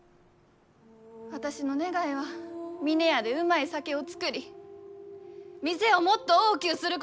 私の願いは峰屋でうまい酒を造り店をもっと大きゅうすること。